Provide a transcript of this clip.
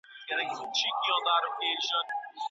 ایا افغان سوداګر وچه الوچه پلوري؟